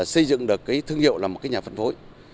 xây dựng được cái thương hiệu là một cái nhà phân phối